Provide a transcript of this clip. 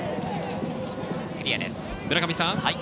クリアです。